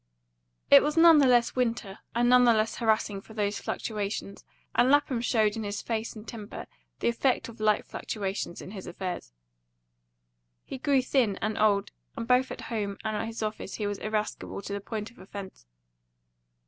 It was none the less winter, and none the less harassing for these fluctuations, and Lapham showed in his face and temper the effect of like fluctuations in his affairs. He grew thin and old, and both at home and at his office he was irascible to the point of offence.